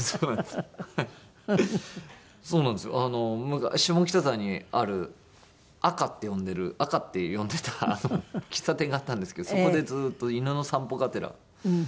昔下北沢にあるアカって呼んでるアカって呼んでた喫茶店があったんですけどそこでずっと犬の散歩がてら。